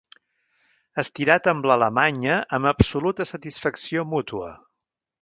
Estirat amb l'alemanya amb absoluta satisfacció mútua.